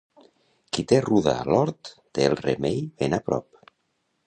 Qui té ruda a l'hort, té el remei ben a prop.